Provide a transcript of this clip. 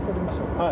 はい。